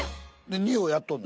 二葉やっとんの？